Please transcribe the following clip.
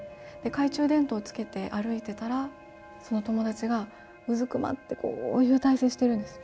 懐中電灯をつけて歩いてたら、その友達がうずくまって、こういう体勢してるんです。